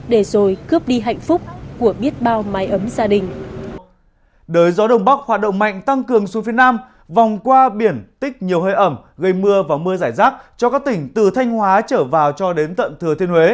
để rồi cướp đi hạnh phúc của biết bao mái ấm gia đình